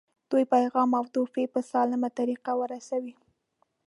دوی پیغام او تحفې په سالمه طریقه ورسوي.